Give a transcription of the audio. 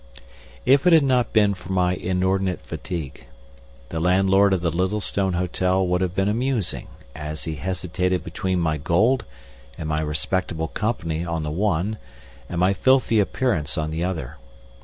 If it had not been for my inordinate fatigue, the landlord of the Littlestone hotel would have been amusing, as he hesitated between my gold and my respectable company on the one and my filthy appearance on the other.